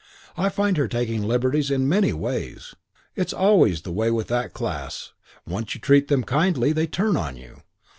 I find her taking liberties in many ways. It's always the way with that class, once you treat them kindly they turn on you.